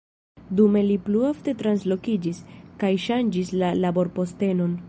Dume li plu ofte translokiĝis, kaj ŝanĝis la laborpostenon.